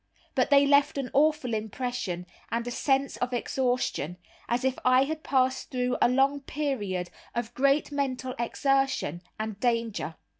But they left an awful impression, and a sense of exhaustion, as if I had passed through a long period of great mental exertion and danger.